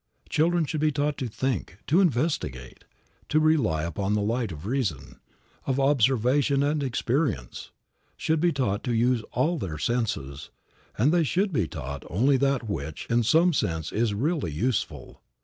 Children should be taught to think, to investigate, to rely upon the light of reason, of observation and experience; should be taught to use all their senses; and they should be taught only that which in some sense is really useful.